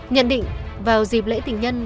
nhận định vào dịp lễ tình nhân